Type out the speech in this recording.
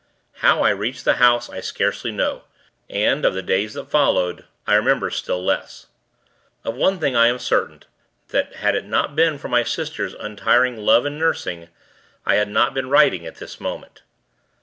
How I reached the house, I scarcely know, and, of the days that followed, I remember still less. Of one thing, I am certain, that, had it not been for my sister's untiring love and nursing, I had not been writing at this moment.